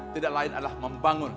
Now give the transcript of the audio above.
tidak lain adalah membangun